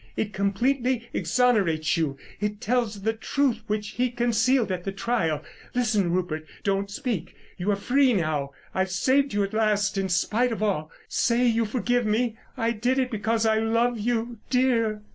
It completely exonerates you. It tells the truth which he concealed at the trial. Listen, Rupert, don't speak. You are free now—I've saved you at last in spite of all. Say you forgive me. I did it because I loved you, dear.